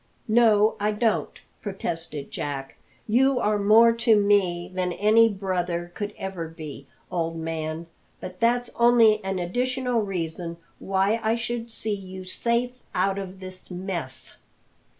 "No, I don't," protested Jack; "you are more to me than any brother could ever be, old man; but that's only an additional reason why I should see you safe out of this mess.